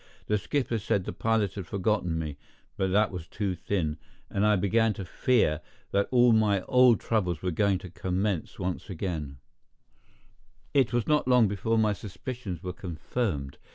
The skipper said the pilot had forgotten me; but that was too thin, and I began to fear that all my old troubles were going to commence once more. It was not long before my suspicions were confirmed.